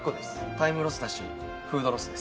タイムロスだしフードロスです。